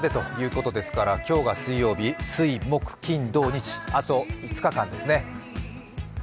日曜日までということですから、今日が水曜日、水、木、金、土、日、５日間ですね。